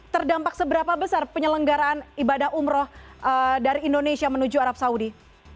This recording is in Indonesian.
terdampak seberapa besar penyelenggaraan ibadah umroh dari indonesia menuju arab saudi